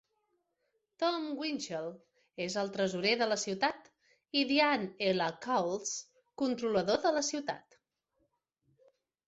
Tom Winchell és el tresorer de la ciutat i Diane L. Cowles controlador de la ciutat.